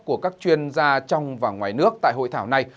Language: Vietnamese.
của các chuyên gia trong và ngoài nước tại hội thảo này